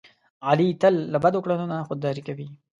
علي تل له بدو کړنو نه خوداري کوي.